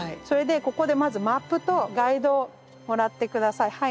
それでここでまずマップとガイドをもらって下さい。